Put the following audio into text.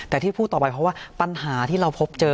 แต่ที่พูดต่อไปเพราะว่าปัญหาที่เราพบเจอ